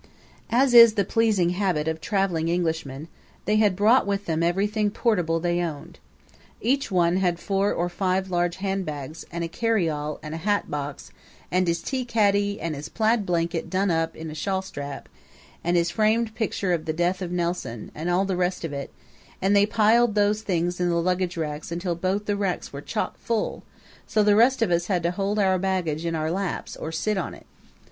As is the pleasing habit of traveling Englishmen, they had brought with them everything portable they owned. Each one had four or five large handbags, and a carryall, and a hat box, and his tea caddy, and his plaid blanket done up in a shawlstrap, and his framed picture of the Death of Nelson and all the rest of it; and they piled those things in the luggage racks until both the racks were chock full; so the rest of us had to hold our baggage in our laps or sit on it.